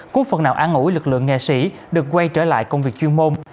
cuốn phần nào án ủi lực lượng nghệ sĩ được quay trở lại công việc chuyên môn